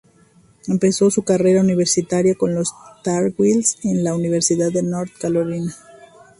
Empezó su carrera universitaria con los "Tar Heels" de la Universidad de North Carolina.